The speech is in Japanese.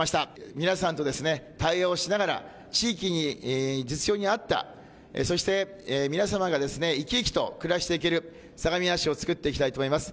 皆さんと対話をしながら、地域に、実情に合った、そして、皆様がですね、生き生きと暮らしていける相模原市を作っていきたいと思います。